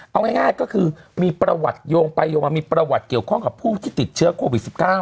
เอาง่ายก็คือมีประวัติโยงไปโยงมามีประวัติเกี่ยวข้องกับผู้ที่ติดเชื้อโควิด๑๙